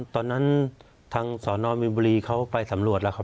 ตอนนั้นทางสนมินบุรีเขาไปสำรวจแล้วครับ